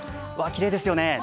きれいですよね。